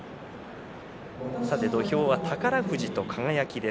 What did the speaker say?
土俵は宝富士と輝です。